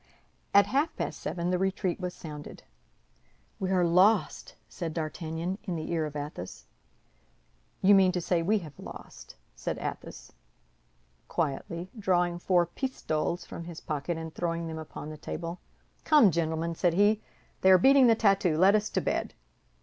At half past seven the retreat was sounded. "We are lost," said D'Artagnan, in the ear of Athos. "You mean to say we have lost," said Athos, quietly, drawing four pistoles from his pocket and throwing them upon the table. "Come, gentlemen," said he, "they are beating the tattoo. Let us to bed!"